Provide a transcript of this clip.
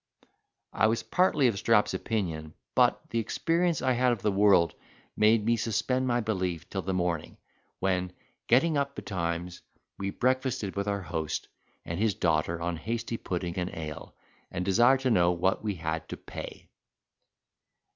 I was partly of Strap's opinion; but the experience I had of the world made me suspend my belief till the morning, when, getting up betimes, we breakfasted with our host and his daughter on hasty pudding and ale, and desired to know what we had to pay.